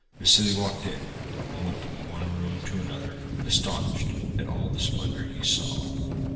Vassili walked in, and went from one room to another astonished at all the splendour he saw.